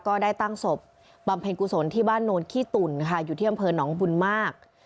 ก็ได้ตั้งศพบำเพ็ญกุศลที่บ้านโนนขี้ตุ่นค่ะอยู่ที่อำเภอหนองบุญมาก